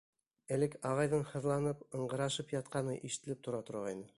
— Элек ағайҙың һыҙланып, ыңғырашып ятҡаны ишетелеп тора торғайны.